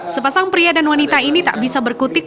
sepasang pria dan wanita ini tak bisa berkutik